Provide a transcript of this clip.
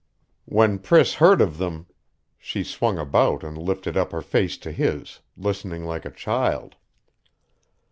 When Priss heard of them, she swung about and lifted up her face to his, listening like a child.